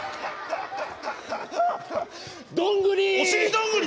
どんぐり！